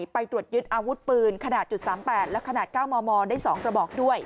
ไปตรวจยึดอาวุธปืนขนาด๓๘และขนาด๙มมได้๒กระบอกด้วย